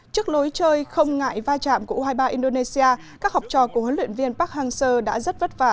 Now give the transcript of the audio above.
trước lối chơi không ngại va chạm của u hai mươi ba indonesia các học trò của huấn luyện viên park hang seo đã rất vất vả